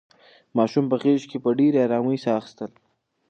ماشوم په غېږ کې په ډېرې ارامۍ ساه اخیستله.